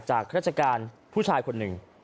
ราชการผู้ชายคนหนึ่ง